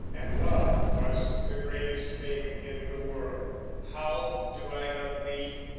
And love was the greatest thing in the world, How do I love thee?